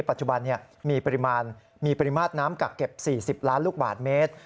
ปัจจุบันมีปริมาตรน้ำกักเก็บ๔๐ล้านลูกบาทเมตร